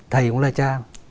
thầy cũng là cha